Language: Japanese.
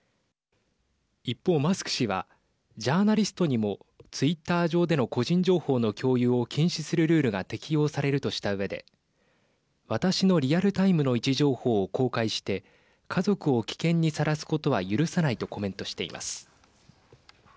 一方マスク氏はジャーナリストにもツイッター上での個人情報の共有を禁止するルールが適用されるとしたうえで私のリアルタイムの位置情報を公開して家族を危険にさらすことは許さないとコメントしています。